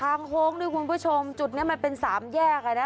ตากงานนะครับคุณผู้ชมจุดนี้มันเป็น๓แยกค่ะ